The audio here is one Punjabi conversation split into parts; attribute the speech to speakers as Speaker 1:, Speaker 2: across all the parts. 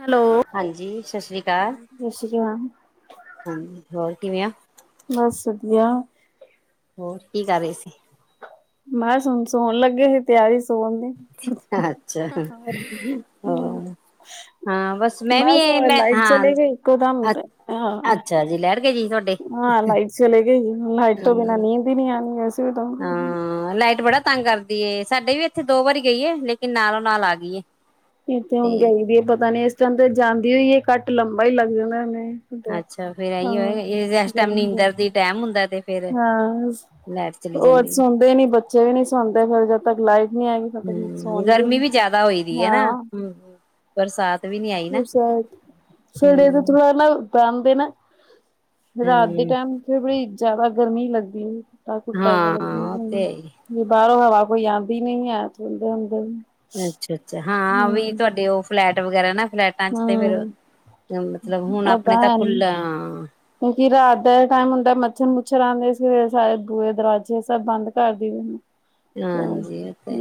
Speaker 1: ਹੈਲੋ।
Speaker 2: ਹਾਂਜੀ ਸਤਿ ਸ਼੍ਰੀ ਅਕਾਲ
Speaker 1: ਸਤਿ ਸ਼੍ਰੀ ਅਕਾਲ,
Speaker 2: ਹਾਂ ਹੋਰ ਕਿਵੇਂ ਆ।
Speaker 1: ਬਸ ਵਧੀਆ।
Speaker 2: ਹੋਰ ਕੀ ਕਰ ਰਹੇ ਸੀ।
Speaker 1: ਮੈਂ ਸੋ ਸੋਣ ਲੱਗੇ ਸੀ। ਤਿਆਰੀ ਸੋਣ ਦੀ
Speaker 2: ਅੱਛਾ
Speaker 1: ਹੂੰ।
Speaker 2: ਹੋਰ ਹਾਂ ਮੈਂ ਵੀ
Speaker 1: ਬਸ
Speaker 2: ਮੈਂ
Speaker 1: ਲਾਈਟ
Speaker 2: ਹਾਂ
Speaker 1: ਚਲੇਗੀ ਇੱਕੋ ਦਮ ਤੇ ਹਾ।
Speaker 2: ਅੱਛਾ ਜੀ ਲੈਟ ਚਲੇਗੀ ਜੀ ਤੁਹਾਡੇ
Speaker 1: ਚਲੇਗੀ ਲਾਈਟ ਤੋਂ ਬਿਨਾ
Speaker 2: ਹਮ
Speaker 1: ਨੀਂਦ ਹੀ ਨਹੀਂ ਆਉਣੀ
Speaker 2: ਹਾਂ ਲਾਈਟ ਬੜਾ ਤੰਗ ਕਰਦੀ ਏ ਸਾਡੇ ਵੀ ਇੱਥੇ ਦੋ ਵਾਰੀ ਗਈ ਲੇਕਿਨ ਨਾਲੋਂ ਨਾਲ ਆ ਗਈ।
Speaker 1: ਇਥੇ ਹੁਣ
Speaker 2: ਤੇ
Speaker 1: ਗਈ ਵੀ ਹੈ ਪਤਾ ਨੀ ਇਸ ਟਾਈਮ ਤੇ ਜਾਂਦੀ ਹੋਈਏ ਕੱਟ ਲੰਬਾ ਹੀ ਲੱਗ ਜਾਂਦਾ ਇਹਨੇ
Speaker 2: ਅੱਛਾ ਫੇਰ ਇਹੀ ਹੋ ਏਸ ਟਾਈਮ
Speaker 1: ਬਹੁਤ
Speaker 2: ਨੀਂਦਰ ਦੀ ਟੈਮ ਹੁੰਦਾ ਤੇ ਫੇਰ
Speaker 1: ਹਾਂ
Speaker 2: ਲਾਈਟ ਚਲੀ
Speaker 1: ਹੋਰ
Speaker 2: ਜਾਂਦੀ ਏ
Speaker 1: ਸੁਣਦੇ ਨੀ ਬੱਚੇ ਵੀ ਨੀ ਸੁਣਦੇ ਫੇਰ ਜਦ ਤੱਕ ਲਾਈਟ ਨੀ ਹੈਗੀ।
Speaker 2: ਹਮ
Speaker 1: ਸੋਣਗੇ
Speaker 2: ਗਰਮੀ
Speaker 1: ਵੀ
Speaker 2: ਜਿਆਦਾ ਹੋਈ ਦੀ ਹੈ ਨਾ
Speaker 1: ਹਾਂ
Speaker 2: ਹਮ ਬਰਸਾਤ ਵੀ ਨੀ ਆਈ।
Speaker 1: [unintelligible] [unintelligible]
Speaker 2: ਨਾ
Speaker 1: ਨਾ
Speaker 2: ਹਮ
Speaker 1: ਰਾਤ ਦੇ
Speaker 2: ਹਮ
Speaker 1: ਟਾਈਮ ਬੜੀ ਜਿਆਦਾ ਗਰਮੀ ਲੱਗਦੀ ਏ। ਕੁਟਾ ਚ
Speaker 2: ਹਾਂ ਉਹ ਤੇ ਹੈ
Speaker 1: ਵੀ ਬਾਹਰੋਂ ਹਵਾ ਕੋਈ ਆਉਂਦੀ ਨੀ ਹੈ, ਚਦੇ ਹੁੰਦੇ।
Speaker 2: ਅੱਛਾ-ਅੱਛਾ, ਹਾਂ ਵੀ ਤੁਹਾਡੇ ਉਹ ਫਲੈਟ ਵਗੈਰਾ ਨਾ ਫਲੈਟ। ਚ ਤੇ ਫਿਰ
Speaker 1: ਹਮ
Speaker 2: ਮਤਲਬ ਹੁਣ ਆਪਣੇ
Speaker 1: ਓਦਾਂ
Speaker 2: ਤਾਂ
Speaker 1: ਹੈ ਨੀ
Speaker 2: ਖੁੱਲ।
Speaker 1: ਕਿਉਂਕਿ ਰਾਤ ਦਾ ਟਾਈਮ ਹੁੰਦਾ, ਮੱਛਰ ਮੁੱਛਰ ਆਉਂਦੇ, ਸੀ ਗੇ ਸਾਰੇ ਬੂਹੇ ਦਰਵਾਜ਼ੇ ਸਭ ਬੰਦ ਕਰਦੀ।
Speaker 2: ਹਾਂਜੀ ਉਹ ਤੇ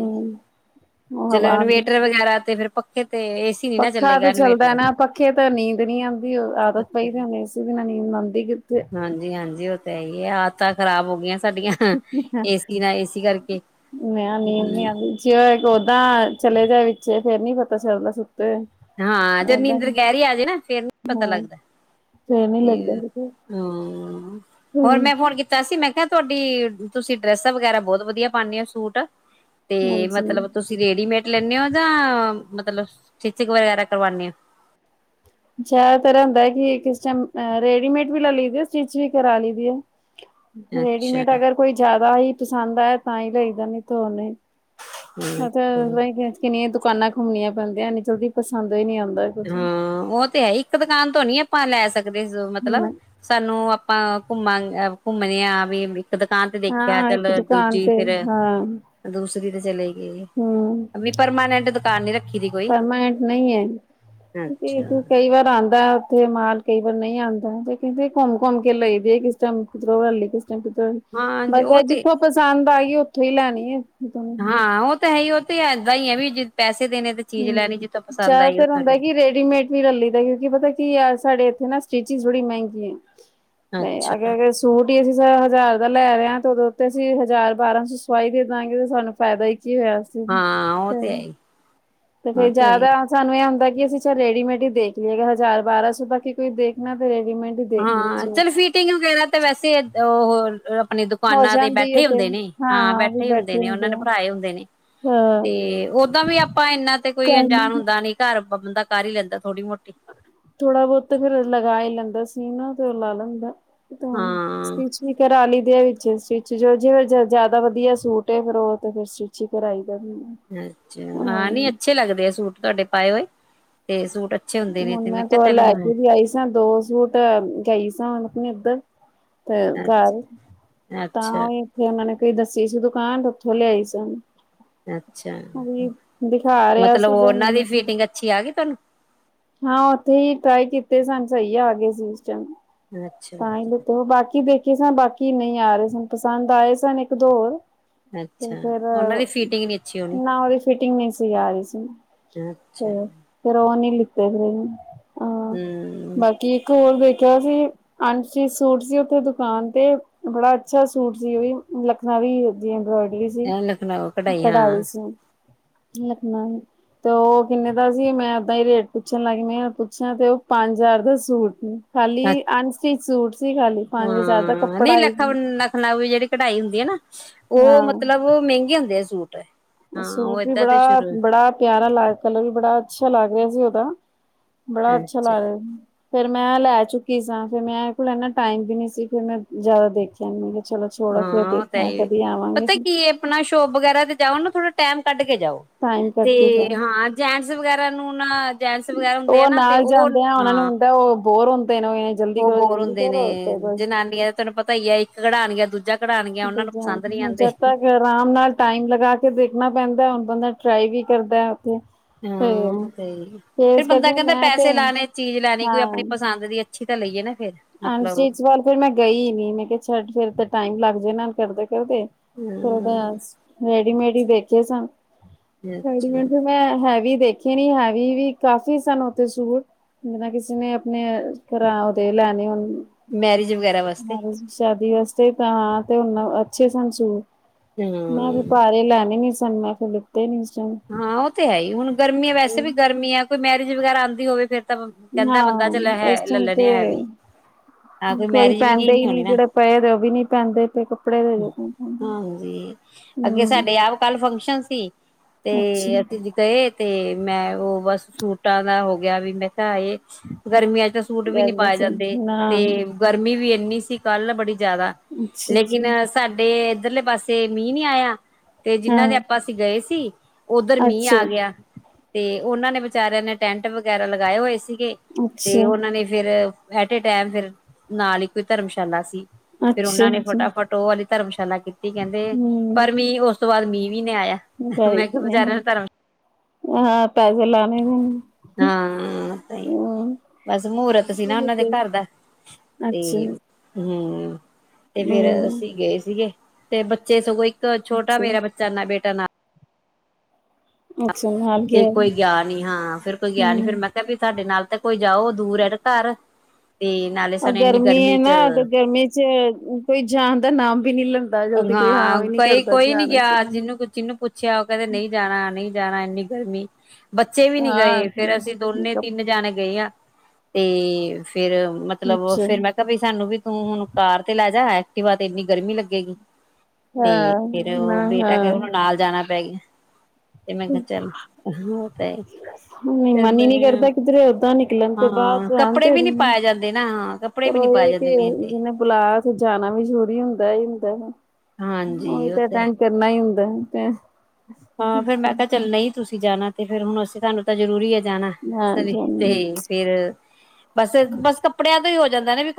Speaker 1: [unintelligible]
Speaker 2: ਚਲੋ, ਇਨਵੇਟਰ ਵਗੈਰਾ ਤੇ ਫਿਰ ਪੱਖੇ ਤੇ ਏਸੀ। ਨੀ ਨਾ
Speaker 1: ਪੱਖਾ
Speaker 2: ਚੱਲੇਗਾ
Speaker 1: ਤੇ ਚੱਲਦਾ
Speaker 2: ਇਨਵੇਟਰ
Speaker 1: ਨਾ ਪੱਖੇ ਤਾਂ ਨੀਂਦ ਨਹੀਂ ਆਉਂਦੀ ਉਹ ਆਦਤ ਪਈਦੀ ਹੁੰਦੇ। ਇਦੇ ਨਾਲ ਨੀਦ ਆਦੀ ਕਿਥੇ
Speaker 2: ਹਾਂਜੀ ਹਾਂਜੀ ਉਹ ਤਾਂ ਇਹੀ ਹੈ ਆਦਤਾਂ ਖ਼ਰਾਬ ਹੋ ਗਈਆਂ ਸਾਡੀਆਂ। ਏਸੀ ਨਾ ਏਸੀ ਕਰਕੇ
Speaker 1: ਮੈਂ ਨੀਂਦ ਨੀ
Speaker 2: ਹੂੰ
Speaker 1: ਆਂਦੀ ਓਦਾਂ ਚਲੇ ਜਾਏ, ਵਿੱਚ ਫੇਰ ਨੀ ਪਤਾ ਚੱਲਦਾ ਸੁੱਤੇ ਹੋਏ।
Speaker 2: ਹਾਂ ਜੇ ਨੀਂਦਰ ਗਹਿਰੀ ਆਜੇ, ਨਾ ਫੇਰ ਨਹੀਂ ਪਤਾ
Speaker 1: ਹਾਂ
Speaker 2: ਲੱਗਦਾ
Speaker 1: ਫੇਰ ਨੀ ਲੱਗਦਾ
Speaker 2: ਤੇ
Speaker 1: ਕਿਤੇ
Speaker 2: ਹੂੰ, ਹੋਰ
Speaker 1: ਹੂੰ
Speaker 2: ਮੈਂ ਫੋਨ ਕੀਤਾ। ਮੈਂ ਕਿਹਾ, ਤੁਹਾਡੀ ਤੁਸੀਂ ਡਰੈਸਾਂ ਵਗੈਰਾ ਬਹੁਤ ਵਧੀਆ ਪਾਉਂਦੇ ਹੋ ਸੂਟ। ਤੇ
Speaker 1: ਹਾਂਜੀ।
Speaker 2: ਮਤਲਬ ਤੁਸੀਂ ਰੇਡੀਮੇਡ ਲੈਂਦੇ ਹੋ ਜਾਂ, ਮਤਲਬ ਸਟਿਚਿੰਗ ਵਗੈਰਾ ਕਰਵਾਉਂਦੇ ਹੋ?
Speaker 1: ਅੱਛਾ ਤੇਰਾ ਹੁੰਦਾ, ਕਿ ਕਿਸ ਟਾਈਮ ਰੇਡੀਮੇਡ ਵੀ ਲੈ ਲਈ ਦੀ ਸਟਿਚ ਵੀ ਕਰਾ ਲਈਦੀ ਹੈ।
Speaker 2: [unintelligible] ਅੱਛਾ
Speaker 1: ਰੇਡੀਮੇਡ ਅਗਰ ਕੋਈ ਜ਼ਿਆਦਾ ਹੀ ਪਸੰਦ ਆਇ ਤਾਂ ਹੀ ਲਈਦਾ ਨੀ ਧੋਨੇ
Speaker 2: ਅੱਛਾ
Speaker 1: ਕਿੰਨੀਆਂ ਦੁਕਾਨਾਂ ਘੁੰਮਣੀਆਂ ਪੈਂਦੀਆਂ, ਇਨੀ ਜਲਦੀ ਪਸੰਦ ਹੀ ਨੀ ਆਉਂਦਾ। ਕੁਛ।
Speaker 2: ਹਾਂ ਉਹ ਤੇ ਹੈ, ਇੱਕ ਦੁਕਾਨ ਤੋਂ ਨੀ ਆਪਾਂ ਲੈ ਸਕਦੇ ਮਤਲਬ ਸਾਨੂੰ ਆਪਾਂ ਘੁੰਮਾਂ ਘੁੰਮਣੇ ਹਾਂ ਵੀ। ਇੱਕ ਦੁਕਾਨ ਤੇ ਦੇਖਿਆ,
Speaker 1: ਹਾਂ
Speaker 2: ਚਲ
Speaker 1: ਇੱਕ ਦੁਕਾਨ
Speaker 2: ਦੂਜੀ
Speaker 1: ਤੇ
Speaker 2: ਫੇਰ।
Speaker 1: ਹਾਂ
Speaker 2: ਦੂਸਰੀ ਤੇ ਚਲੇ ਗਈ,
Speaker 1: ਹੂੰ
Speaker 2: ਵੀ ਪਰਮਾਨੈਂਟ ਦੁਕਾਨ ਨੀ ਰੱਖੀ ਦੀ ਕੋਈ।
Speaker 1: ਪਰਮਾਨੈਂਟ ਨਹੀਂ ਹੈ, ਤੂੰ
Speaker 2: ਅੱਛਾ
Speaker 1: ਕਈ ਵਾਰ ਆਉਂਦਾ। ਮਾਲ ਕਈ ਵਾਰ ਨਹੀਂ ਆਉਂਦਾ, ਤੇ ਕਿੰਦੇ ਘੁੰਮ ਘੁੰਮ ਕੇ ਲਈਦੀ ਕਿਸ ਟਾਈਮ ਹਰਾਲੀ ਕਿਸ ਟਾਈਮ।
Speaker 2: ਹਾਂਜੀ
Speaker 1: ਬਸ
Speaker 2: ਉਹ ਤੇ
Speaker 1: ਜਿੱਥੋਂ ਪਸੰਦ ਆ ਗਈ, ਉੱਥੋਂ ਹੀ ਲੈਣੀ ਆ।
Speaker 2: ਹਾਂ ਉਹ ਤਾਂ ਹੈ ਹੀ, ਉਹ ਤੇ ਏਦਾਂ ਹੀ ਹੈ, ਵੀ ਪੈਸੇ ਦੇਣੇ ਤੇ ਚੀਜ਼ ਲੈਣੀ ਜਿੱਥੋਂ ਪਸੰਦ ਆਈ ਉੱਥੋਂ
Speaker 1: ਰੇਡੀਮੇਡ ਵੀ ਲੇਲੀ ਦਾ ਕਿਉਂਕਿ, ਪਤਾ ਕੀ ਸਾਡੇ ਇੱਥੇ ਨਾ ਸਟਿਚ ਥੋੜੀ ਮਹਿੰਗੀ ਹੈ। ਨਹੀਂ
Speaker 2: ਅੱਛਾ
Speaker 1: ਅਗੇ-ਅਗੇ ਸੂਟ ਹੀ ਅਸੀਂ ਸ ਹਜ਼ਾਰ ਦਾ ਲੈ ਰਹੇ, ਹਾਂ ਤੇ ਉਹਦੇ ਉੱਤੇ ਅਸੀਂ ਹਜ਼ਾਰ ਬਾਰਾਂ ਸੌ ਸਵਾਈ ਦੇ ਦਾਂਗੇ ਤੇ ਸਾਨੂੰ ਫਾਇਦਾ ਹੀ ਕੀ ਹੋਇਆ।
Speaker 2: ਹਾਂ ਉਹ ਤੇ ਹੈ ਹੀ
Speaker 1: ਤੇ
Speaker 2: ਉਹ
Speaker 1: ਫੇਰ
Speaker 2: ਹੈ ਹੀ।
Speaker 1: ਜਿਆਦਾ ਸਾਨੂੰ ਇਹ ਹੁੰਦਾ ਕਿ, ਅਸੀਂ ਚੱਲ ਰੇਡੀਮੇਡ ਹੀ ਦੇਖ ਲਈਏਗਾ, ਹਜ਼ਾਰ ਬਾਰਾਂ ਸੌ ਤੱਕ ਹੀ ਕੋਈ ਦੇਖਣਾ ਤੇ ਰੈਡੀਮੇਡ
Speaker 2: ਹਾਂ ਚਲ ਫੀਟਿੰਗ ਵਗੈਰਾ ਤਾਂ ਵੈਸੇ ਉਹ ਆਪਣੀ
Speaker 1: ਹੋ
Speaker 2: ਦੁਕਾਨਾਂ ਤੇ
Speaker 1: ਜਾਂਦੀ ਹੈ
Speaker 2: ਬੈਠੇ
Speaker 1: ਤੇ
Speaker 2: ਹੁੰਦੇ ਨੇ ਹਾਂ,
Speaker 1: ਉਹ ਵੀ
Speaker 2: ਬੈਠੇ ਹੁੰਦੇ ਨੇ ਉਹਨਾਂ ਨੇ
Speaker 1: ਆ
Speaker 2: ਬਣਾਏ ਹੁੰਦੇ ਨੇ।
Speaker 1: ਹਾਂ
Speaker 2: ਤੇ ਓਦਾਂ ਵੀ ਆਪਾਂ ਇਨਾ ਤੇ ਕੋਈ
Speaker 1: ਕਰ
Speaker 2: ਅਣਜਾਣ ਹੁੰਦਾ ਨੀ। ਘਰ ਬੰਦਾ ਕਰ ਹੀ ਲੈਂਦਾ ਥੋੜੀ ਮੋਟੀ।
Speaker 1: ਥੋੜਾ ਬਹੁਤ ਫੇਰ ਲਗਾ ਹੀ ਲੈਂਦਾ ਸੀ, ਨਾ ਤੇ ਉਹ ਲਾ ਲੈਂਦਾ
Speaker 2: ਹਾਂ
Speaker 1: ਹ ਕਰਾ ਲਈ ਦੇ ਵਿੱਚ ਸਟਿਚ ਜੋ ਜੇ, ਵੇ ਜ਼ਿਆਦਾ ਵਧੀਆ ਸੂਟ ਫੇਰ ਉਹ ਤੇ ਫਿਰ ਸਟਿਚ ਹੀ ਕਰਾਈ ਦਾ ਵੀ
Speaker 2: ਅੱਛਾ ਹਾਂ ਨੀ ਅੱਛੇ ਲੱਗਦੇ ਆ, ਸੂਟ ਤੁਹਾਡੇ ਪਾਏ ਹੋਏ ਤੇ ਸੂਟ। ਅੱਛੇ ਹੁੰਦੇ ਨੇ
Speaker 1: ਹੁਣ
Speaker 2: ਤੇ
Speaker 1: ਮੈਂ
Speaker 2: ਕਿਹਾ
Speaker 1: ਦੋ
Speaker 2: ਚੱਲ
Speaker 1: ਲੈ ਕੇ ਵੀ ਆਈ ਸਾਂ ਦੋ ਸੂਟ। ਤਾਂ ਗਈ ਸੀ, ਹੁਣ ਆਪਣੀ ਇੱਧਰ ਤੇ
Speaker 2: ਅੱਛਾ
Speaker 1: ਘਰ ਤਾਂ
Speaker 2: ਅੱਛਾ,
Speaker 1: ਉਹ ਉਹਨਾਂ ਨੇ ਕਈ ਦੱਸੀ ਸੀ, ਦੁਕਾਨ ਤੇ ਉੱਥੋਂ ਲਿਆਈ ਸੀ, ਉਹਨੂੰ
Speaker 2: ਅੱਛਾ,
Speaker 1: ਦਿਖਾ ਰਿਹਾ
Speaker 2: ਮਤਲਬ
Speaker 1: ਸੀ
Speaker 2: ਉਹਨਾਂ ਦੀ
Speaker 1: ਮੈਨੂੰ
Speaker 2: ਫਿਟਿੰਗ ਅੱਛੀ ਆ ਗਈ ਤੁਹਾਨੂੰ
Speaker 1: ਹਾਂ ਉੱਥੇ ਹੀ ਟਰਾਈ ਕੀਤੇ ਸਨ, ਸਹੀ ਆ ਆ ਗਏ ਸੀ।
Speaker 2: ਅੱਛਾ,
Speaker 1: ਤਾਂ ਹੀ ਲ
Speaker 2: ਅੱਛਾ
Speaker 1: ਉਹ ਬਾਕੀ ਦੇਖੇ ਸਨ ਬਾਕੀ ਨਹੀਂ ਆ ਰਹੇ ਸਨ, ਪਸੰਦ ਆਏ ਸਨ ਇੱਕ ਦੋ ਹੋਰ। ਤੇ
Speaker 2: ਅੱਛਾ,
Speaker 1: ਫਿਰ
Speaker 2: ਉਹਨਾਂ ਦੀ ਫਿਟਿੰਗ ਨੀ ਅੱਛੀ ਹੋਣੀ
Speaker 1: ਨਾ ਉਹਦੀ ਫਿਟਿੰਗ ਨਹੀਂ ਸੀ ਆ ਰਹੀ ਸੀ।
Speaker 2: ਅੱਛਾ,
Speaker 1: ਫੇਰ ਉਹ ਨੀ ਲਿੱਤੇ ਨੀ ਹਾਂ,
Speaker 2: ਹੂੰ
Speaker 1: ਬਾਕੀ ਇੱਕ ਹੋਰ ਦੇਖਿਆ ਸੀ। ਅੰਸ਼ ਸੂਟ ਸੀ ਉੱਥੇ ਦੁਕਾਨ ਤੇ ਬੜਾ ਅੱਛਾ ਸੂਟ ਸੀ ਉਹੀ। ਲ ਵੀ ਅੰਬਰੋਇਡਰੀ ਸੀ,
Speaker 2: ਇਹ ਲਖਨਊ
Speaker 1: ਕਢਾਈ
Speaker 2: ਹਾਂ
Speaker 1: ਸੀ [unintelligible] ਤੇ ਉਹ ਕਿੰਨੇ ਦਾ ਸੀ। ਮੈਂ ਦਾਂ ਹੀ ਰੇਟ ਪੁੱਛਣ ਲੱਗ ਮ ਪੁੱਛਿਆ ਤੇ ਉਹ ਪੰਜ ਹਜ਼ਾਰ ਦੇ ਸੂਟ ਨੇ। ਖਾਲੀ
Speaker 2: ਅੱਛ
Speaker 1: ਅਨਸਟਿਚ ਸੂਟ ਸੀ ਖਾਲੀ। ਪੰਜ ਹਜ਼ਾਰ ਦਾ
Speaker 2: ਹਾਂ ਨਹੀਂ
Speaker 1: ਕੱਪੜਾ
Speaker 2: ਲੱਖ,
Speaker 1: ਹੀ
Speaker 2: ਲੱਖ ਨਾਲ ਵੀ ਜਿਹੜੀ ਕਢਾਈ ਹੁੰਦੀ ਐ ਨਾ, ਉਹ
Speaker 1: ਹਾਂ
Speaker 2: ਮਤਲਬ ਮਹਿੰਗੇ ਹੁੰਦੇ ਆ ਸੂਟ। ਹਾਂ ਉਹ
Speaker 1: ਸੂਟ ਵੀ
Speaker 2: ਏਦਾਂ ਤੇ
Speaker 1: ਬੜਾ,
Speaker 2: ਸ਼ੁਰੂ
Speaker 1: ਬੜਾ ਪਿਆਰਾ ਲ ਕਲਰ ਵੀ ਬੜਾ ਅੱਛਾ ਲੱਗ ਰਿਹਾ ਸੀ ਓਦਾ। ਬੜਾ ਅੱਛਾ ਲਾ ਰਿਹਾ ਫੇਰ ਮੈਂ ਲੈ ਚੁੱਕੀ ਸਾਂ ਫੇਰ ਮੈਂ ਇਹ ਕੋਲ ਇਨਾ ਟਾਈਮ ਵੀ ਨੀ ਸੀ ਫੇਰ ਮੈਂ ਜ਼ਿਆਦਾ ਦੇਖ। ਕਿਹਾ ਚਲੋ ਛੋੜੋ, ਫੇਰ
Speaker 2: ਹਾਂ ਉਹ
Speaker 1: ਦੇਖ
Speaker 2: ਤਾਂ ਹੈ
Speaker 1: ਮੈਂ
Speaker 2: ਹੀ
Speaker 1: ਕਦੀ ਆਵਾਂਗੇ।
Speaker 2: ਪਤਾ ਕੀ ਹੈ ਆਪਣਾ ਸ਼ੋਪ ਵਗੈਰਾ ਤੇ ਜਾਓ, ਨਾ ਥੋੜਾ ਟੈਮ ਕੱਢ ਕੇ ਜਾਓ
Speaker 1: ਟਾਈਮ ਕੱਢ ਕੇ ਜਾਓ
Speaker 2: ਤੇ ਹਾਂ। ਜੈਂਟਸ ਵਗੈਰਾ ਨੂੰ ਨਾ ਡਾਂਸ ਵਗੈਰਾ ਹੁੰਦੇ
Speaker 1: ਉਹ
Speaker 2: ਆ ਨਾ ਤੇ
Speaker 1: ਨਾਲ
Speaker 2: ਉਹ
Speaker 1: ਜਾਂਦੇ ਆ ਉਹਨਾ ਨੂੰ
Speaker 2: ਹਾਂ
Speaker 1: ਹੁੰਦਾ ਉਹ ਬੋਰ ਹੁੰਦੇ ਨੇ। ਜਲਦੀ
Speaker 2: ਉਹ
Speaker 1: ਕਰੋ
Speaker 2: ਹੋਰ
Speaker 1: ਜਲਦੀ
Speaker 2: ਹੁੰਦੇ ਨੇ
Speaker 1: ਕਰੋ ਤੇ ਬਸ
Speaker 2: ਜਨਾਨੀਆਂ ਦਾ ਤੁਹਾਨੂੰ ਪਤਾ ਈ ਐ। ਇੱਕ ਘੜਾਉਣ ਗਿਆ ਦੂਜਾ ਕੜਾਉਣਗੀਆਂ ਉਹਨਾਂ ਨੂੰ ਪਸੰਦ ਨੀ ਆਂਦੇ।
Speaker 1: ਜਦ ਤੱਕ ਆਰਾਮ ਨਾਲ ਟਾਈਮ ਲਗਾ ਕੇ ਦੇਖਣਾ ਪੈਂਦਾ। ਹੁਣ ਬੰਦਾ ਟਰਾਈ ਵੀ ਕਰਦਾ ਓਥੇ।
Speaker 2: ਹਾਂ ਤੇਹੀ ਫਿਰ ਬੰਦਾ ਕਹਿੰਦਾ
Speaker 1: ਮੈਂ ਤੇ
Speaker 2: ਪੈਸੇ ਲਾਣੇ, ਚੀਜ਼ ਲੈਣੀ ਕੋਈ ਆਪਣੀ ਪਸੰਦ ਦੀ। ਅੱਛੀ ਤਾਂ ਲਈਏ ਨਾ ਫ਼ਿਰ।
Speaker 1: ਅ ਵ ਫਿਰ ਮੈਂ ਗਈ ਨੀ ਮੈਂ ਕਿਹਾ ਫਿਰ ਟਾਈਮ ਲੱਗ ਜਾ ਕਰਦੇ, ਕਰਦੇ।
Speaker 2: ਹੂੰ
Speaker 1: ਉਹ ਰੇਡੀਮੇਡ ਹੀ ਦੇਖੇ ਸਾ।
Speaker 2: ਅੱਛਾ
Speaker 1: ਰੇਡੀਮੇਟ ਮੈਂ ਹੈਵੀ ਦੇਖੀ ਨੀ, ਹੈਵੀ ਵੀ ਕਾਫੀ ਸਨ ਓਥੇ ਸੂਟ। ਜਿਨਾ ਕਿਸੇ ਨੇ ਆਪਣੇ ਘਰਾਂ ਉਹਦੇ ਲੈਣੇ ਹੋਨ।
Speaker 2: ਮੈਰਿਜ ਵਗੈਰਾ ਵਾਸਤੇ
Speaker 1: ਸ਼ਾਦੀ ਵਾਸਤੇ ਤਾਂ ਹਾਂ ਤੇ ਉਹ ਅੱਛੇ ਸਨ ਸੂ ਮੈਂ ਵੀਪ
Speaker 2: ਹੂੰ
Speaker 1: ਲੈਣੇ ਨੀ ਸਨ ਮੈ ਫੇਰ ਤੇ [inaudible]
Speaker 2: ਹਾਂ ਉਹ ਤੇ ਹੈ ਹੀ ਹੁਣ ਗਰਮੀ ਐ। ਵੈਸੇ ਵੀ ਗਰਮੀ ਹੈ, ਕੋਈ ਮੈਰਿਜ ਵਗੈਰਾ ਆਉਂਦੀ ਹੋਵੇ ਫਰ ਕਹਿੰਦਾ ਬੰਦਾ ਚ
Speaker 1: ਹਾਂ
Speaker 2: ਹੈ
Speaker 1: ਇਸ
Speaker 2: ਲੈ
Speaker 1: ਟਾਈਮ ਤੇ
Speaker 2: ਲਣੇ ਐ ਵੀ। ਹਾਂ
Speaker 1: ਕੋਈ
Speaker 2: ਮੈਰਿਜ ਵੀ ਕੀ
Speaker 1: ਪੈਂਦੇ ਹੀ ਨੀ
Speaker 2: ਹੋਣੀ ਨਾ
Speaker 1: ਜਿਹੜੇ ਪਏ ਓ ਵੀ ਨੀ ਪੈਂਦੇ ਪਏ ਕੱਪੜੇ ਦੇ ਹੂੰ
Speaker 2: ਹਾਂਜੀ, ਅੱਗੇ ਸਾਡੇ ਆਪ ਕੱਲ ਫੰਕਸ਼ਨ ਸੀ।
Speaker 1: ਅੱਛਾ
Speaker 2: ਤੇ ਅਸੀਂ ਜ ਕਹੇ ਤੇ ਮੈਂ ਉਹ ਬਸ ਸੂਟਾਂ ਦਾ ਹੋ ਗਿਆ ਵੀ ਮੈਂ ਕਿਹਾ ਇਹ ਗਰਮੀਆਂ ਚ ਸੂਟ ਵੀ ਨੀ
Speaker 1: ਗਰਮੀ
Speaker 2: ਪਾਏ
Speaker 1: ਚ
Speaker 2: ਜਾਂਦੇ
Speaker 1: ਨਾ
Speaker 2: ਤੇ ਗਰਮੀ ਵੀ ਇੰਨੀ ਸੀ ਕੱਲ, ਬੜੀ ਜਿਆਦਾ
Speaker 1: ਅੱਛਾ-ਅੱਛਾ
Speaker 2: ਲੇਕਿਨ ਸਾਡੇ ਇੱਧਰਲੇ ਪਾਸੇ ਮੀਂਹ ਨੀ ਆਇਆ ਤੇ ਜਿੰਨਾਂ ਦੇ
Speaker 1: ਹਾਂ
Speaker 2: ਆਪਾਂ ਅਸੀਂ ਗਏ ਸੀ ਓਧਰ ਮੀਂਹ ਆ ਗਿਆ ਤੇ ਉਹਨਾਂ ਨੇ ਵਿਚਾਰਿਆਂ ਨੇ ਟੈਂਟ ਵਗੈਰਾ ਲਗਾਏ ਹੋਏ ਸੀਗੇ। ਤੇ
Speaker 1: ਅੱਛਾ-ਅੱਛਾ-ਅੱਛਾ
Speaker 2: ਉਹਨਾਂ ਨੇ ਫੇਰ ਐਟੇ-ਟੈਮ ਫਿਰ ਨਾਲ ਹੀ ਕੋਈ ਧਰਮਸ਼ਾਲਾ ਸੀ। ਫੇਰ ਉਹਨਾਂ ਨੇ
Speaker 1: ਜੀ,
Speaker 2: ਫਟਾਫਟ ਉਹ ਵਾਲੀ ਧਰਮਸ਼ਾਲਾ ਕੀਤੀ। ਕਹਿੰਦੇ
Speaker 1: ਹੂੰ
Speaker 2: ਪਰ ਮੀਅ ਉਸ ਉਸ ਤੋਂ ਬਾਅਦ ਮੀਂਹ ਵੀ ਨ ਆਇਆ। ਮੈਂ ਕਿਹਾ ਵਿਚੇਾਰਿਆਂ ਨੂੰ ਧਰਮ
Speaker 1: ਹਾਂ ਪੈਸਲਾ
Speaker 2: ਹਾਂ ਸਹੀ, ਬਸ ਮਹੂਰਤ ਸੀ, ਨਾ ਉਹਨਾਂ ਦੇ ਘਰ ਦਾ।
Speaker 1: ਅੱਛਾ
Speaker 2: ਹੂੰ ਤੇ ਫੇਰ
Speaker 1: ਹੂੰ
Speaker 2: ਅਸੀਂ ਗਏ ਸੀਗੇ। ਤੇ, ਬੱਚੇ ਸਗੋਂ ਛੋਟਾ ਮੇਰਾ ਬੱਚਾ ਨਾ, ਬੇਟਾ ਨਾ
Speaker 1: ਅੱਛਾ-ਅੱਛਾ ਨਾਲ
Speaker 2: ਤੇ ਕੋਈ ਗਿਆ ਨੀ ਹਾਂ ਫੇਰ ਕੋਈ ਗਿਆ ਨੀ। ਫੇਰ
Speaker 1: ਹੂੰ
Speaker 2: ਮੈਂ ਕਿਹਾ ਵੀ ਸਾਡੇ ਨਾਲ ਤਾਂ ਕੋਈ ਜਾਓ ਦੂਰ ਐ ਘਰ ਤੇ ਨਾਲੇ
Speaker 1: ਉਹ
Speaker 2: ਸਾਨੂੰ ਇੰਨੀ
Speaker 1: ਹੈ
Speaker 2: ਗਰਮੀ ਚ
Speaker 1: ਨਾ ਤੇ ਗਰਮੀ ਚ ਕੋਈ ਜਣ ਦਾ ਨਾਮ ਵੀ ਨੀ ਲ
Speaker 2: ਹਾਂ ਕਈ ਕੋਈ ਨੀ ਗਿਆ। ਜਿਹਨੂੰ, ਜਿਹਨੂੰ ਪੁੱਛ ਪੱਛਿਆ ਓ ਕੇਦੇਂ ਨਹੀਂ ਜਾਣਾ ਨਹੀਂ, ਜਾਣਾ ਇੰਨੀ ਗਰਮੀ ਬੱਚੇ ਵੀ ਨੀ
Speaker 1: ਹਾਂ
Speaker 2: ਗਏ। ਫੇਰ, ਅਸੀਂ ਦੋਨੇ ਤਿੰਨ ਜਾਣੇ ਗਏ ਆ ਤੇ ਫੇਰ ਮਤਲਬ
Speaker 1: ਅੱਛਾ
Speaker 2: ਫੇਰ ਮੈਂ ਕਿਹਾ ਬਈ ਸਾਨੂੰ ਵੀ ਤੂੰ ਹੁਣ ਕਾਰ ਤੇ ਲੈ ਜਾ। ਐਕਿਟਵਾ ਤੇ ਇੰਨੀ ਗਰਮੀ ਲੱਗੇਗੀ। ਤੇ
Speaker 1: ਹਾਂ
Speaker 2: ਫੇਰ
Speaker 1: ਨਾ
Speaker 2: ਉਹ ਬੇਟਾ ਕ
Speaker 1: ਹਾਂ
Speaker 2: ਉਹਨ ਨੂੰ ਨਾਲ ਜਾਣਾ ਪੈ ਗਿਆ। ਇਹ ਮੈਂ ਚੱਲਾਂ ਤਾਂ ਹੀ [unintelligible]
Speaker 1: ਮਨ ਹੀ ਨੀ ਕਰਦਾ ਕਿਧਰੇ ਓਦਾਂ ਨਿਕਲਣ ਤੇ ਬਾਅਰ ਜਾਣ ਤੇ
Speaker 2: ਪੈ ਜਾਂਦੇ ਨਾ‌ ਹਾ
Speaker 1: ਰਹੇ ਕਿ ਜ [unintelligible] ਬੁਲਾਇਆ ਤੇ ਜਾਨਾ ਵੀ ਜ਼ਰੂਰੀ ਹੁੰਦਾ ਹੀ ਹੁੰਦਾ ਉਹੀ
Speaker 2: ਹਾਂਜੀ ਉਹ ਤੇ
Speaker 1: ਤਾਂ ਕਰਨਾ ਈ ਹੁੰਦਾ ਤੇ
Speaker 2: ਹਾਂ ਫਿਰ ਮੈਂ ਕਿਹਾ ਚੱਲ ਨਹੀਂ। ਤੁਸੀਂ ਜਾਣਾ ਤੇ ਫੇਰ ਹੁਣ ਅਸੀਂ ਤੁਹਾਨੂੰ ਜ਼ਰੂਰੀ ਏ ਜਾਨਾ ਤੇ
Speaker 1: ਹਾਂ
Speaker 2: ਫੇਰ ਬਸ ਬਸ ਕੱਪੜਿਆਂ ਤੋਂ ਹੀ ਹੋ ਜਾਂਦਾ ਨੇ ਵੀ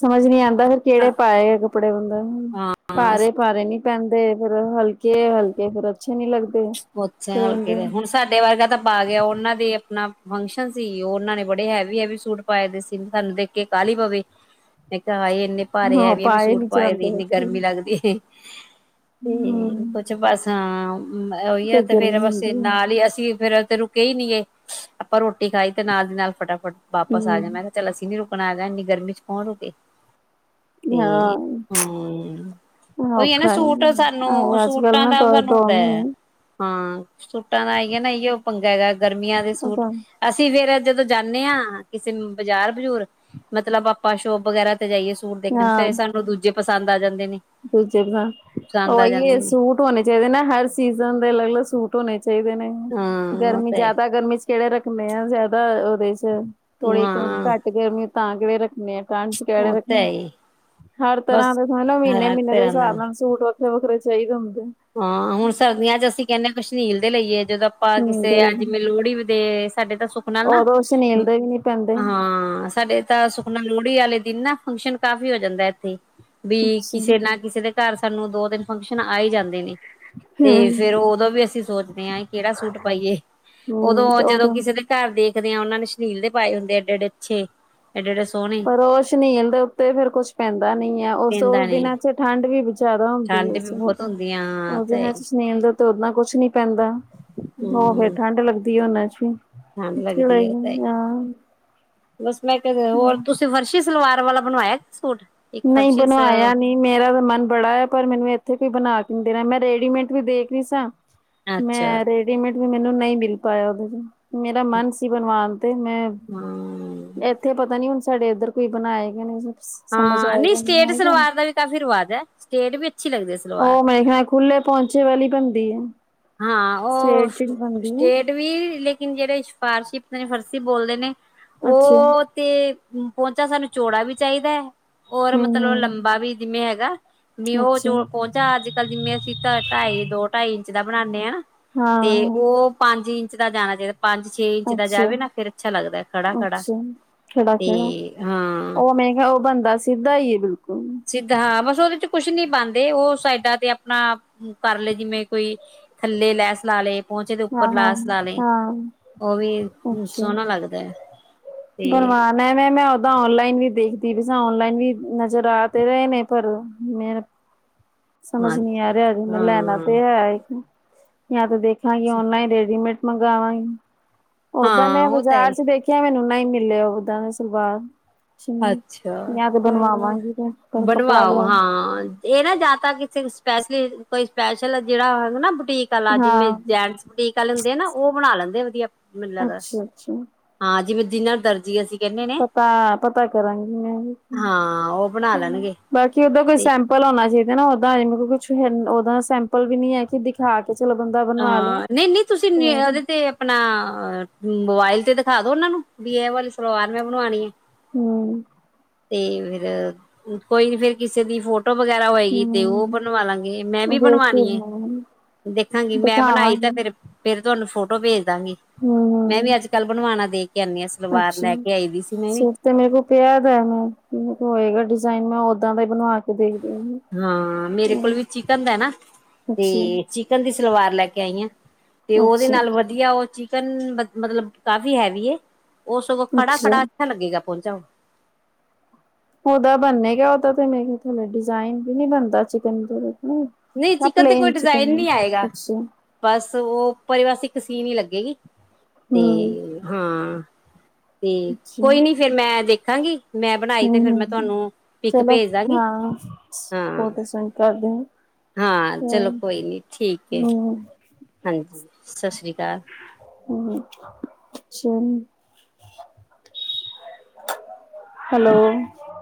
Speaker 1: ਸਮਝ ਨਹੀਂ ਆਂਦਾ ਫੇਰ ਕਿਹੜੇ ਪਾਏ ਕੱਪੜੇ ਬੰਦਾ
Speaker 2: ਹਾਂ
Speaker 1: ਭਾਰੇ ਭਾਰੇ ਨੀ ਪੈਂਦੇ ਫੇਰ ਹਲਕੇ ਹਲਕੇ ਫੇਿਰ ਅੱਛੇ ਨੀ ਲੱਗਦੇ
Speaker 2: ਪੋਚੇ ਹਲਕੇ
Speaker 1: ਧਦੇ
Speaker 2: ਦੇ
Speaker 1: [unintelligible]
Speaker 2: ਹੁਣ ਸਾਡੇ ਵਰਗਾ ਤਾਂ ਪਾ ਗਿਆ ਉਹਨਾਂ ਦੇ ਆਪਣਾ ਫੰਕਸ਼ਨ ਸੀ ਉਹਨਾਂ ਨੇ ਬੜੇ ਹੈਵੀ ਹੈਵੀ ਸੂਟ ਪਾਏ ਦੇ ਸਿਮਪਲ ਦੇਖ ਕੇ ਕਾਹਲੀ ਪਵੇ ਮੈਂ ਕਿਹਾ ਹਾਏ ਇੰਨੇ ਭਾਰੇ
Speaker 1: ਹਾਂ
Speaker 2: ਹੈਵੀ ਹੈਵੀ ਸੂਟ
Speaker 1: ਨੀ
Speaker 2: ਪਾਏ ਦੀ
Speaker 1: ਜਾਂਦੇ
Speaker 2: ਇੰਨੀ ਗਰਮੀ ਲੱਗਦੀ ਏ ਤੇ
Speaker 1: ਹੂੰ।
Speaker 2: ਕੁਛ ਬਸ ਹਾਂ ਉਹੀ ਏ ਤੇ ਫੇਰ
Speaker 1: ਗਰਮੀ
Speaker 2: ਬਸ
Speaker 1: ਹੁੰਦੀ
Speaker 2: ਨਾਲ ਹੀ ਅਸੀਂ ਫੇਿਰ ਤੇ ਰੁ ਕਹੀ ਨੀ ਗੇ ਆਪਾਂ ਰੋਟੀ ਖਾਈ ਤੇ ਨਾਲ ਦੀ ਨਾਲ ਫਟਾਫਟ ਵਾਪਸ ਆ
Speaker 1: ਹੂੰ
Speaker 2: ਜਾਏ ਮੈਂ ਕਿਹਾ ਚੱਲ ਅਸੀਂ ਨੀ ਰੁਕਣਾ ਹੈਗਾ ਇੰਨੀ ਗਰਮੀ ਚ ਕੌਣ ਰੁਕੇ ਤੇ
Speaker 1: ਹਾਂ।
Speaker 2: ਹੁ ਉਹੀ ਹੈ ਨਾ
Speaker 1: ਔਖਾ
Speaker 2: ਸੂਟ ਸਾਨੂੰ
Speaker 1: ਹੈ ਅੱਜ ਕੱਲ
Speaker 2: ਸੂਟਾਂ
Speaker 1: ਨਾ
Speaker 2: ਦਾ ਸਾਨੂੰ
Speaker 1: ਦੋ
Speaker 2: ਹੁੰਦਾ
Speaker 1: ਮਹੀਨੇ
Speaker 2: ਹਾਂ ਸੂਟਾਂ ਦਾ ਹੈਗਾ ਨਾ ਇਹੀ ਉਹ ਪੰਗਾ ਹੈਗਾ ਗਰਮੀਆਂ ਦੇ ਸੂਟ ਅਸੀਂ ਫੇਰ ਜਦੋਂ ਜਾਂਨੇ ਆ ਕਿਸੇ ਬਜ਼ਾਰ ਬਜੂਰ ਮਤਲਬ ਆਪਾਂ ਸ਼ੋਪ ਵਗੈਰਾ ਤੇ ਜਾਈਏ ਸੂਟ ਦੇਖਣ
Speaker 1: ਹਾਂ
Speaker 2: ਫੇਰ ਸਾਨੂੰ ਦੂਜੇ ਪਸੰਦ ਆ ਜਾਂਦੇ ਨੇ।
Speaker 1: ਦੂਜੇ
Speaker 2: ਪਸੰਦ ਆ ਜਾਂਦੇ
Speaker 1: ਉਹ
Speaker 2: ਨੇ
Speaker 1: ਸੂਟ [unintelligible] ਹੋਨੇ ਚਾਹੀਦੇ ਨਾ ਹਰ ਸੀਜ਼ਨ ਦੇ ਅਲੱਗ ਅਲੱਗ ਸੂਟ ਹੋਨੇ ਚਾਹੀਦੇ ਨੇ
Speaker 2: ਹਾਂ ਉਹ
Speaker 1: ਗਰਮੀ
Speaker 2: ਤਾਂ ਹੈ
Speaker 1: ਜ਼ਿਆਦਾ ਗਰਮੀ ਚ ਕਿਹੜੇ ਰੱਖਣੇੇ ਆ ਜ਼ਿਆਦਾ ਉਹਦੇ ਚ ਥੋੜੀ ਕਿਉਂ
Speaker 2: ਹਾਂ
Speaker 1: ਘੱਟ ਗਰਮੀ ਤਾਂ ਕਿਹੜੇ ਰੱਖਣੇ ਏ ਟਰੰਕ ਚ ਕਿਹੜੇ
Speaker 2: ਉਹ ਤਾਂ
Speaker 1: ਰੱਖਣੇ
Speaker 2: ਹੈ ਹੀ
Speaker 1: ਹਰ ਤਰ੍ਹਾਂ
Speaker 2: ਬਸ
Speaker 1: ਦੇ ਸਮਝ ਲਓ ਮਹੀਨੇ-
Speaker 2: ਹਰਾ
Speaker 1: ਮਹੀਨੇ ਦੇ
Speaker 2: ਤੇਰਾ ਨਾ
Speaker 1: ਹਿਸਾਬ ਨਾਲ। ਸੂਟ ਵੱਖਰੇ-ਵੱਖਰੇ ਚਾਹੀਦੇ ਹੁੰਦੇ ਨੇ।
Speaker 2: ਹਾਂ ਹੁਣ ਸਰਦੀਆਂ ਚ ਅਸੀਂ ਕਹਿੰਦੇ ਹਾਂ [unintelligible] ਸ਼ਨੀਲ ਦੇ ਲਈਏ ਜਦੋਂ ਆਪਾਂ
Speaker 1: ਸੁਨੀਲ
Speaker 2: ਕਿਸੇ
Speaker 1: ਦੇ
Speaker 2: ਅੱ ਜਿਵੇਂ ਲੋਹੜੀ।। ਦੇ ਸਾਡੇ ਤਾਂ ਸੁੱਖ ਨਾਲ ਨਾ
Speaker 1: ਉਦੋਂ ਸੁਨੀਲ ਦੇ ਵੀ ਨੀ ਪੈਂਦੇ।
Speaker 2: ਹਾਂ ਸਾਡੇ ਤਾਂ ਸੁੱਖ। ਹੁਨ ਲੋਹੜੀ ਆਲੇ ਦਿਨ ਨਾ ਫੰਕਸ਼ਨ ਕਾਫ਼ੀ ਹੋ ਜਾਂਦਾ ਇੱਥੇ ਵੀ
Speaker 1: ਅੱਛਾ
Speaker 2: ਕਿਸੇ ਨਾ ਕਿਸੇ ਦੇ ਘਰ ਸਾਨੂੰ ਦੋ ਤਿੰਨ ਫੰਕਸ਼ਨ ਆ ਹੀ ਜਾਂਦੇ ਨੇ
Speaker 1: ਹੂੰ
Speaker 2: ਤੇ ਫੇਰ ਉਦੋਂ ਵੀ ਅਸੀਂ ਸੋਚਨੇ ਆ ਕਿਹੜਾ ਸੂਟ ਪਾਈਏ ਉਦੋਂ ਜਦੋਂ ਕਿਸੇ ਦੇ। ਘਰ ਦੇਖਦੇ ਆ ਉਹਨਾਂ ਨੇ ਸ਼ਨੀਲ ਦੇ ਪਾਏ ਹੁੰਦੇ ਏਡੇ ਏਡੇ ਅੱਛੇ ਏਡੇ ਏਡੇ ਸੋਹਣੇ।
Speaker 1: ਪਰ ਉਹ ਸ਼ਨੀਲ ਦੇ ਉੱਤੇ ਫੇਰ ਕੁਛ ਪੈਂਦਾ ਨੀ ਏ ਉਸ
Speaker 2: ਪੀਂਦਾ
Speaker 1: ਉਸ
Speaker 2: ਨੀ
Speaker 1: ਦਿਨਾਂ ਚ ਠੰਢ ਵੀ ਜ਼ਿਆਦਾ ਹੁੰਦੀ ਹੈ।
Speaker 2: ਠੰਡ ਬਹੁਤ ਹੁੰਦ। [unintelligible]
Speaker 1: ਉਹ ਜ ਮੈਂ ਸੁ ਸੁਨੀਲ ਦਾ [unintelligible] ਓਦਾ ਕੁਛ ਨੀ ਪੈਂਦਾ ਹੋ ਫੇਰ
Speaker 2: ਹਮ
Speaker 1: ਠੰਢ ਲੱਗਦੀ ਹੈ'ਉਹਨਾਂ ਚ
Speaker 2: ਠੰਢ ਲੱਗਦੀ ਹੈ ਤਾਂ
Speaker 1: ਨਹੀਂ ਯਾਰ। [unintelligible]
Speaker 2: ਬਸ ਮੈਂ ਕਿਆ ਹੋਰ ਤੁਸੀਂ ਫਰਸ਼ੀ ਸਲਵਾਰ ਵਾਲਾ ਬਣਵਾਇਆ ਸੂਟ। ਇੱਕ
Speaker 1: ਨਹੀਂ
Speaker 2: ਫਰਸ਼ੀ ਸ
Speaker 1: ਬਨਵਾਇਆ ਨਹੀਂ। ਮੇਰਾ ਵੀ ਮਨ ਬੜਾ ਹੈ। ਪਰ ਮੈਨੂੰ ਇੱਥੇ ਕੋਈ ਬਨਾ ਕੇ ਨੀ ਦੇ ਰਿਹਾ ਮੈਂ ਰੇਡੀਮੇਟ ਵੀ ਦੇਖ ਰੀ ਸਾਂ।
Speaker 2: ਅੱਛਾ
Speaker 1: ਮੈਂ ਰੇਡੀਮੇਡ ਵੀ ਮੈਨੂੰ ਨਹੀਂ ਮਿਲ ਪਾਇਆ ਉਹਦੇ ਚ ਮੇਰਾ ਮਨ ਸੀ ਬਨਵਾਨ ਤੇ ਮੈਂ
Speaker 2: ਹਮ
Speaker 1: ਇੱਥੇ ਪਤਾ ਨੀ ਹੁਨ ਸਾਡੇ ਇੱਧਰ ਕੋਈ ਬਨਾਏ ਗਏ ਨਹੀਂ। ਸਮਝ
Speaker 2: ਹਾਂ ਨਹੀਂ
Speaker 1: ਆਏਗਾ
Speaker 2: ਸਟੇਟ
Speaker 1: ਆਏਗਾ
Speaker 2: ਸਲਵਾਰ ਦਾ ਵੀ ਕਾਫ਼ੀ ਰਿਵਾਜ ਹੈ ਸਟੇਟ ਵੀ ਅੱਛੀ ਲੱਗਦੇ ਸ
Speaker 1: ਉਹ ਮੇਰਾ ਖਿਆਲ ਖੁੱਲੇ ਪੋਨਚੇ ਵਾਲੀ ਬਨਦੀ ਏ।
Speaker 2: ਹਾਂ ਉਹ ਸਟੇਟ ਵੀ ਲੇਕਿਨ ਜਿਹੜੇ ਫਾਰ [unintelligible] ਸ਼ ਫਰਸੀ ਬੋਲਦੇ ਨੇ
Speaker 1: ਅੱਛਾ
Speaker 2: ਉਹ। ਤੇ ਪੋਨਚਾ ਸਾਨੂੰ ਚੌੜਾ ਵੀ ਚਾਹੀਦਾ ਹੈ ਔਰ
Speaker 1: ਹਮ
Speaker 2: ਮਤਲਬ
Speaker 1: ਹਮ
Speaker 2: ਲੰਬਾ ਵੀ ਜਿਵੇਂ ਹੈਗਾ। ਮੀ ਉਹ
Speaker 1: ਅੱਛਾ
Speaker 2: ਚੋ ਪੋਨਚਾ ਅੱਜ ਕੱਲ ਜਿਵੇਂ ਅਸੀਂ ਢਾਈ ਦੋ ਢਾਈ ਇੰਚ ਦਾ ਬਣਾਂਨੇ ਆ। ਤੇ
Speaker 1: ਹਾਂ
Speaker 2: ਉਹ ਪੰਜ ਇੰਚ ਦਾ ਜਾਣਾ ਚਾਹੀਦਾ ਪੰਜ। ਛੇ ਇੰਚ ਦਾ ਜਾਵੇ ਨਾ
Speaker 1: ਅੱਛਾ-ਅੱਛਾ
Speaker 2: ਫੇਰ ਅੱਛਾ ਲੱਗਦਾ ਖੜਾ-ਖੜਾ ਤੇ
Speaker 1: ਖੇੜਾ-ਖੇੜਾ
Speaker 2: ਹਾਂ।
Speaker 1: ਉਹ ਮੈਂ ਕਿਹਾ ਉਹ ਬਣਦਾ ਸਿੱਧਾ ਹੀ ਹੈ ਬਿਲਕੁਲ।
Speaker 2: ਸਿੱਧ ਹਾਂ ਬਸ ਉਹਦੇ ਚ ਕੁਛ ਨੀ ਪਾਂਦੇ, ਉਹ ਸਾਈਡਾਂ ਤੇ ਆਪਣਾ ਕਰ ਲਏ ਜਿਵੇਂ ਕੋਈ।। ਥੱਲੇ ਲੈਸ ਲਾ ਲੇ। ਪਹੁੰਚੇ ਦੇ ਉੱਪਰ
Speaker 1: ਹਾਂ-ਹਾਂ
Speaker 2: ਲੈਸ ਲਾ ਲਈ, ਉਹ ਵੀ ਸੋਹਣਾ ਲੱਗਦਾ ਹੈ। ਤੇ
Speaker 1: ਬਣਵਾ ਲੈ ਮ ਮੈਂ ਓਦਾਂ ਔਨਲਾਈਨ ਵੀ ਦੇਖਦੀ ਪਈ ਸਾ, ਔਨਲਾਈਨ ਵੀ ਨਜ਼ਰ ਆ ਤੇ ਰਹੇ ਨੇ ਪਰ, ਮੇਰਾ
Speaker 2: ਹਾਂ
Speaker 1: ਸਮਝ ਨਹੀਂ ਆ ਰਿਹਾ ਜੀ, ਮੈਂ ਲੈਣਾ
Speaker 2: ਹਾਂ
Speaker 1: ਤੇ ਹੈ ਇਕ, ਜਾਂ ਤਾਂ ਦੇਖਾਂਗੀ ਔਨਲਾਈਨ, ਰੇਡੀਮੇਟ। ਮੰਗਵਾਂਗੀ, ਔਦਾਂ
Speaker 2: ਹਾਂ
Speaker 1: ਮੈਂ
Speaker 2: ਉਹ ਤਾਂ
Speaker 1: ਬਾਜ਼ਾਰ
Speaker 2: ਹੈ
Speaker 1: ਚ ਦੇਖੀ ਨਹੀ ਮੈਨੂੰ ਨਹੀ ਮਿਲੇ, ਔਦਾਂ ਦੇ ਸਲਵਾਰ। ਸ਼ਿਮ
Speaker 2: ਅੱਛਾ
Speaker 1: ਜਾਂ ਤੇ
Speaker 2: ਹੂ ਹੂ
Speaker 1: ਬਣਵਾਵਾਂਗੀ ਤੇ ਪਰ
Speaker 2: ਬਣਵਾ
Speaker 1: ਕੱਪੜਾ
Speaker 2: ਵਾਂ,
Speaker 1: ਲਿਆ
Speaker 2: ਹਾਂ। ਇਹ ਨਾ ਜਿਆ ਤਾਂ ਕਿਸੇ ਸਪੈਸ਼ਲੀ, ਕੋਈ ਸਪੈਸ਼ਲ ਜਿਹੜਾ ਹੈਗਾ ਨਾ, ਬੁਟੀਕ ਵਾਲਾ ਜਿਵੇਂ
Speaker 1: ਹਾਂ
Speaker 2: ਜੈਂਟਸ। ਉਡੀਕ ਆਲੇ ਹੁਂਦੇ ਹੈ ਨਾ, ਉਹ ਬਣਾ ਲੈਂਦੇ ਆ ਵਧੀਆ ਮੈਂ ਨੂੰ ਲੱਗਦਾ ਐ।
Speaker 1: ਅੱਛਾ ਅੱਛਾ
Speaker 2: ਹਾਂ ਜਿਵੇਂ ਜਿਹਨਾ ਦਰਜੀ ਅਸੀਂ। ਕਹਿੰਦੇ ਨੇ
Speaker 1: ਪਤਾ-ਪਤਾ ਕਰਾਂਗੀ ਮੈਂ
Speaker 2: ਹਾਂ ਉਹ ਬਣਾ
Speaker 1: ਵੀ।
Speaker 2: ਲੈਣਗੇ
Speaker 1: ਬਾਕੀ ਔਦਾਂ ਕੋਈ
Speaker 2: ਤੇ
Speaker 1: ਸੈਂਪਲ ਆਉਣਾ ਚਾਹੀਦਾ ਨਾ, ਔਦਾਂ ਮਤਲਬ ਕੁਛ ਔਦਾਂ ਸੈਂਪਲ ਵੀ ਨੀ ਹੈ, ਕਿ ਦਿਖਾ ਕੇ ਕਿ ਚਲੋ ਬੰਦਾ। ਬਣਵਾ ਲਏ
Speaker 2: ਹਾਂ ਨਹੀਂ-ਨਹੀਂ, ਤੁਸੀਂ
Speaker 1: ਹੋਰ
Speaker 2: ਉਹਦੇ ਤੇ ਆਪਣਾ ਮੋਬਾਇਲ ਤੇ ਦਿਖਾ ਦੋ ਉਹਨਾਂ ਨੂੰ, ਵੀ ਇਹ ਵਾਲੀ ਸਲਵਾਰ ਮੈਂ ਬਣਵਾਣੀ ਹੈ।
Speaker 1: ਹੂ
Speaker 2: ਤੇ ਫਿਰ ਕੋਈ ਵੀ, ਕਿਸੇ ਦੀ ਫੋੋਟੋ ਫੋਟੋ ਵਗੈਰਾ ਹੋਏਗੀ, ਤੇ ਉਹ
Speaker 1: ਹੂੰ
Speaker 2: ਬਣਵਾ ਲਾਂਗੇ, ਮੈਂ ਵੀ
Speaker 1: ਵੇਖ ਕੇ
Speaker 2: ਬਣਵਾਣੀ ਐ।
Speaker 1: ਬਣਾਵਾਂਗੀ
Speaker 2: ਬੀ ਮੈਂ ਬਣਾਈ ਤਾਂ
Speaker 1: ਦਿਖਾਵਾਂਗੀ
Speaker 2: ਫੇਰ, ਫੇਰ ਤੁਹਾਨੂੰ ਫੋਟੋ ਭੇਜ ਦਾਂਗੀ, ਮੈਂ ਵੀ
Speaker 1: ਹੂੰ
Speaker 2: ਅੱਜ ਕੱਲ ਬਣਵਾਣਾ ਦੇਖ। ਕਹਿਨੀਆਂ, ਸਲਵਾਰ
Speaker 1: ਅੱਛਾ
Speaker 2: ਲੈ ਕੇ ਆਈ ਦੀ ਸੀ ਮੈਂ ਵੀ।
Speaker 1: ਸੂਟ ਤੇ ਮੇਰੇ ਕੋਲ ਪਿਆ ਦਾ ਮੈਂ, ਮੇਰੇ ਕੋਲ ਹੋਏਗਾ ਡਿਜ਼ਾਇਨ ਮੈਂ ਓਦਾਂ ਦਾ ਹੀ ਬਣਵਾ ਕੇ ਦੇਖਦੀ ਆਂ।
Speaker 2: ਹਾਂ ਮੇਰੇ ਕੋਲ ਵੀ ਚਿਕਨ ਦਾ ਨਾ,
Speaker 1: ਅੱਛਾ
Speaker 2: ਤੇ ਚਿਕਨ ਦੀ ਸਲਵਾਰ ਲੈ ਕੇ ਆਈ ਆ। ਤੇ ਉਹਦੇ
Speaker 1: ਅੱਛਾ
Speaker 2: ਨਾਲ ਵਧੀਆ, ਉਹ ਚਿਕਨ ਮਤਲਬ ਕਾਫੀ ਹੈਵੀ ਏ, ਉਹ ਸਗੋਂ ਖੜਾ ਖੜਾ। ਅੱਛਾ ਲੱਗੇਗਾ ਪਹੁੰਚਾ।
Speaker 1: ਔ ਦਾ ਬਣਨੇਗਾ, ਉਹ ਤੇ ਮੈਂ ਡਿਜ਼ਾਇਨ ਵੀ ਨੀ ਬਣਦਾ ਚਿਕਨ
Speaker 2: ਨਹੀਂ
Speaker 1: ਨਾ
Speaker 2: ਚਿਕਨ ਤੇ ਕੋਈ
Speaker 1: ਪਲੇਨ ਚਿਕਨ
Speaker 2: ਡਿਜ਼ਾਇਨ ਨਹੀਂ ਆਏਗਾ।
Speaker 1: ਅੱਛਾ
Speaker 2: ਬਸ ਔ ਉਪਰ ਬਸ ਇੱਕ ਸੀਨ ਹੀ ਲੱਗੇਗੀ
Speaker 1: ਹੂੰ
Speaker 2: ਤੇ, ਹਾਂ ਠੀਕ,
Speaker 1: ਅੱਛਾ
Speaker 2: ਕੋਈ ਨੀ ਫੇਰ ਮੈਂ ਦੇਖਾਂਗੀ। ਮੈਂ ਬਣਾਈ ਤੇ ਫਿਰ ਮੈਂ
Speaker 1: ਹੂੰ-ਹੂੰ
Speaker 2: ਤੁਹਾਨੂੰ, ਇਕ
Speaker 1: ਚਲੋ
Speaker 2: ਭੇਜ ਦਾਂਗੀ
Speaker 1: ਹਾਂ
Speaker 2: ਹਾਂ।
Speaker 1: ਸਪੋਰਟ ਸੈਂਡ ਕਰਦੇ ਹਾਂ
Speaker 2: ਹਾਂ ਚਲੋ ਕੋਈ ਨੀ ਠੀਕ ਹੈ,
Speaker 1: ਹੂੰ-ਹੂੰ-ਹੂੰ
Speaker 2: ਹਾਂਜੀ ਸਤਿ ਸ਼੍ਰੀ ਅਕਾਲ।
Speaker 1: ਹੂ ਅੱਛਾ, ਹੈਲੋ,